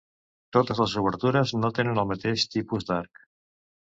Totes les obertures no tenen el mateix tipus d'arc.